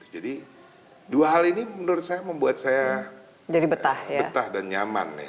jadi dua hal ini menurut saya membuat saya betah dan nyaman